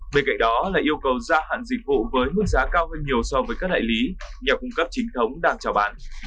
bên cạnh đó là yêu cầu gia hạn dịch vụ với mức giá cao hơn nhiều so với các đại lý nhà cung cấp chính thống đang trào bán